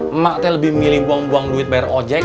emak saya lebih milih buang buang duit bayar ojek